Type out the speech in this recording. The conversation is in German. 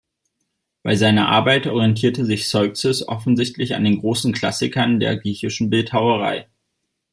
Bei seiner Arbeit orientierte sich Zeuxis offensichtlich an den großen Klassikern der griechischen Bildhauerei.